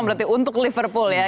berarti untuk liverpool ya